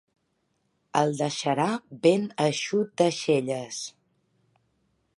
El deixarà ben eixut d'aixelles.